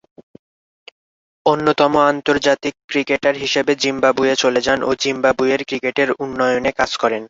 অন্যতম আন্তর্জাতিক ক্রিকেটার হিসেবে জিম্বাবুয়ে চলে যান ও জিম্বাবুয়ের ক্রিকেটের উন্নয়নে কাজ করেন।